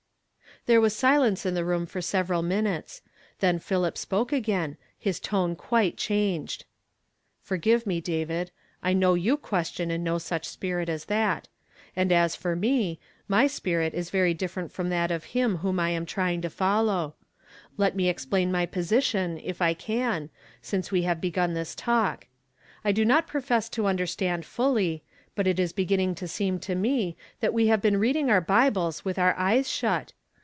There was silence ' the ro(mi for several min utes ; tlien Philip spoke again, his tone quite changed. Forgi\ me, Di vid; I know you question in no such spirit as that : and as for me, my spirit is V ry ditfercnt from th;'*^ of him whom I am trying to follow, i.ct me explain my position, if I can, since we have begun this talk. I do uoL profess •'HK HATir SKNT MK. 1»}7 to uiulei staiKl fully, but it is h'<f[nu\n(^ to seem to me that we luive Ijeeii reading our liible.s witii our eyes shut.